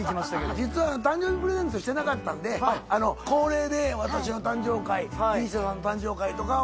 実は誕生日プレゼントしてなかったんで恒例で私の誕生会ＭＩＳＩＡさんの誕生会とかは。